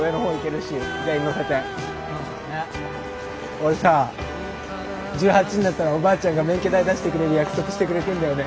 俺さ１８になったらおばあちゃんが免許代出してくれる約束してくれてんだよね。